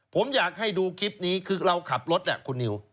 ผมอยากให้ดูคลิปนี้คือเราขับรถแหละคุณนิว